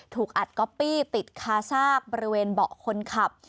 ถูกอัดก๊อปปี้ติดคาซากบริเวณเบาะคนขับ